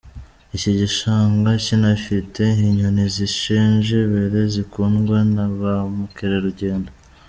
Iki gishanga kinafite inyoni z’inshenjebere zikundwa na ba mukerarugendo.